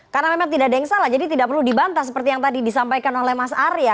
karena memang tidak ada yang salah jadi tidak perlu dibantah seperti yang tadi disampaikan oleh mas arya